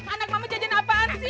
anak mama jajan apaan sih